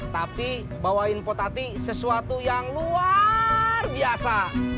tapi bawain potati sesuatu yang luar biasa